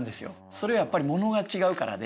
それはやっぱりモノが違うからで。